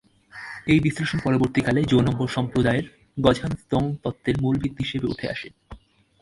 এই বিশ্লেষণ পরবর্তীকালে জো-নম্বর ধর্মসম্প্রদায়ের গ্ঝান-স্তোং তত্ত্বের মূল ভিত্তি হিসেবে উঠে আসে।